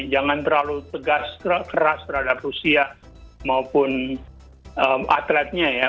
jangan terlalu tegas keras terhadap rusia maupun atletnya ya